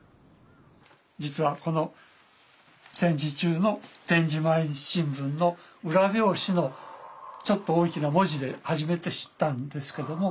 実はこの戦時中の点字毎日新聞の裏表紙のちょっと大きな文字で初めて知ったんですけども。